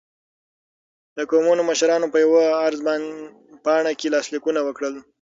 د قومونو مشرانو په یوه عرض پاڼه کې لاسلیکونه وکړل.